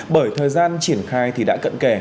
bởi thời gian triển khai thì đã cận kể